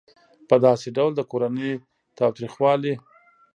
په داسې ډول د کورني تاوتریخوالي